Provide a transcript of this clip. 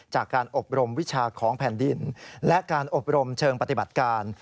จากการอบรมวิชาของแผ่นดินและการอบรมเชิงปฏิบัติการ